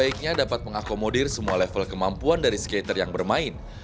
sebaiknya dapat mengakomodir semua level kemampuan dari skater yang bermain